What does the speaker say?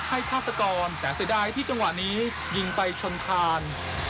โค้กให้ภาษากรแต่ใส่ใดที่จังหวะนี้ยิงไปชนทาน